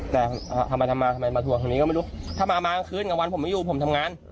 ทำมาทำมามาทั่วทีตรงนี้ก็ไม่รู้มากล่างก็คืนกับวันผมไม่อยู่ผมทำงาน